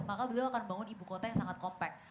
maka beliau akan membangun ibu kota yang sangat compact